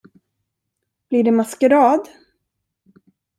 Blir det maskerad?